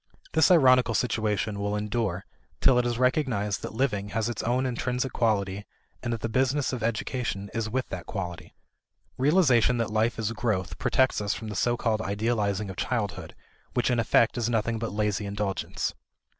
This ironical situation will endure till it is recognized that living has its own intrinsic quality and that the business of education is with that quality. Realization that life is growth protects us from that so called idealizing of childhood which in effect is nothing but lazy indulgence.